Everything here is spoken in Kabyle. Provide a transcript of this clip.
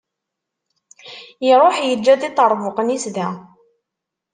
Iruḥ iǧǧa-d iṭerbuqen-is da.